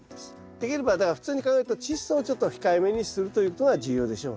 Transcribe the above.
できればだから普通に考えるとチッ素をちょっと控えめにするということが重要でしょうね。